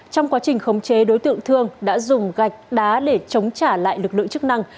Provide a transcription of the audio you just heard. trong quá trình khống chế đối tượng thương đã dùng gạch đá để chống trả lại lực lượng chức năng